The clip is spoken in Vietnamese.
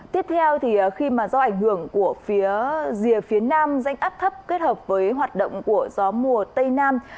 tiếp theo khi do ảnh hưởng của rìa phía nam rãnh áp thấp kết hợp với hoạt động của gió mùa tây nam